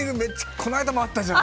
この間も会ったじゃん。